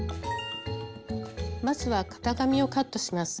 まずは型紙をカットします。